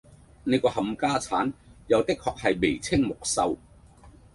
你個冚家鏟又的確係眉清目秀